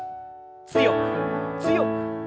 強く強く。